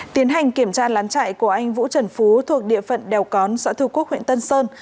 tiến hành kiểm tra lán chạy của anh vũ trần phú thuộc địa phận đèo cón xã thư quốc huyện tân sơn